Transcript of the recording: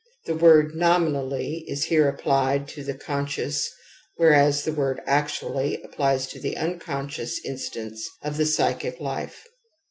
The word ' nominally ' is here applied to the conscious whereas the word ' actually ' applies to the unconscious instance of the psychic life.